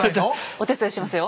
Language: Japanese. お手伝いしますよ。